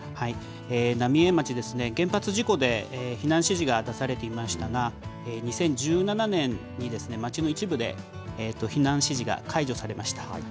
浪江町ですね、原発事故で避難指示が出されていましたが、２０１７年に、町の一部で避難指示が解除されました。